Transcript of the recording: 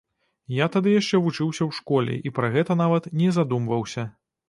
Я тады яшчэ вучыўся ў школе і пра гэта нават не задумваўся.